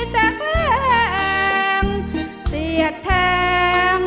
แต่แผงเสียแทง